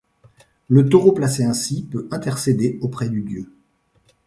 Le taureau placé ainsi, peut intercéder auprès du dieu.